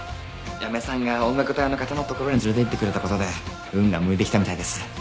八女さんが音楽隊の方の所に連れていってくれたことで運が向いてきたみたいです。